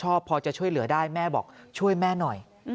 ห้องที่รับผิดชอบพอจะช่วยเหลือได้แม่บอกช่วยแม่หน่อย